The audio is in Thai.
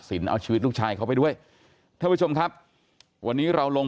เอาชีวิตลูกชายเขาไปด้วยท่านผู้ชมครับวันนี้เราลง